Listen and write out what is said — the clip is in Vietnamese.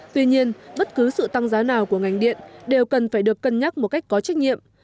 tuy nhiên bất cứ sự tăng giá nào của ngành điện đều cần phải được cân nhắc một cách có trách nhiệm